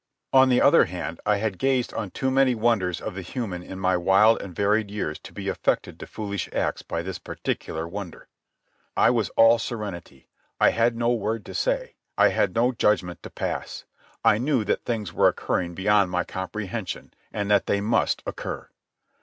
On the other hand, I had gazed on too many wonders of the human in my wild and varied years to be affected to foolish acts by this particular wonder. I was all serenity. I had no word to say. I had no judgment to pass. I knew that things were occurring beyond my comprehension, and that they must occur.